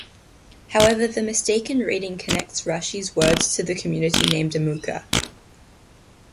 However, the mistaken reading connects Rashi's words to the community named Amuka.